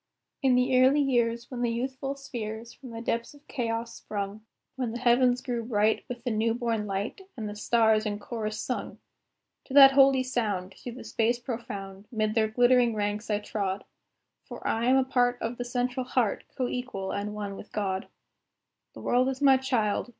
In the early years, when the youthful spheres, From the depths of Chaos sprung, When the heavens grew bright with the new born light, And the stars in chorus sung To that holy sound, through the space profound, 'Mid their glittering ranks I trod; For I am a part of the Central Heart, Co equal and one with God. The world is my child.